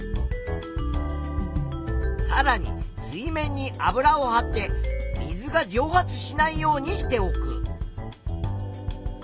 さらに水面に油をはって水がじょう発しないようにしておく。